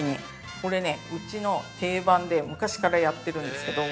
これね、うちの定番で、昔からやってるんですけど。